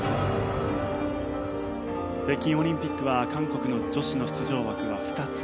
北京オリンピックは韓国の女子の出場枠は２つ。